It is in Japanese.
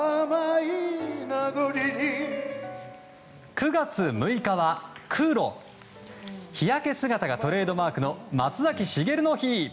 ９月６日は黒日焼け姿がトレードマークの松崎しげるの日。